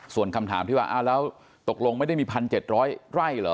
ส่วนคำถามที่ว่าแล้วตกลงไม่ได้มี๑๗๐๐ไร่เหรอ